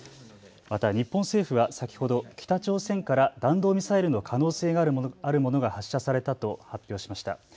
また日本政府は先ほど北朝鮮から弾道ミサイルの可能性があるものが発射されたと発表しました。